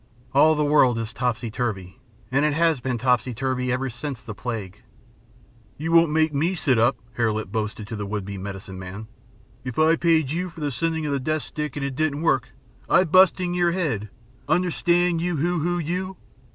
All the world is topsy turvy. And it has been topsy turvy ever since the plague." "You won't make me sit up," Hare Lip boasted to the would be medicine man. "If I paid you for a sending of the death stick and it didn't work, I'd bust in your head understand, you Hoo Hoo, you?"